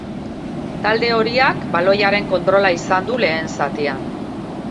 Talde horiak baloiaren kontrola izan du lehen zatian.